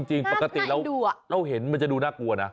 จริงปกติเราเห็นมันจะดูน่ากลัวนะ